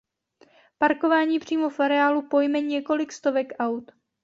Parkování přímo v areálu pojme několik stovek aut.